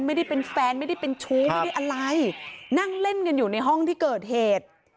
ไม่ได้เป็นแฟนไม่ได้เป็นชู้ไม่ได้อะไรนั่งเล่นกันอยู่ในห้องที่เกิดเหตุ